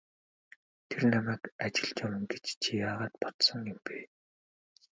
Тэр намайг ажилд авна гэж чи яагаад бодсон юм бэ?